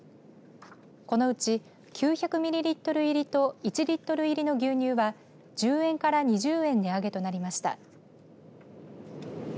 このうち９００ミリリットル入りと１リットル入りの牛乳は１０円から２０円値上げとなりました。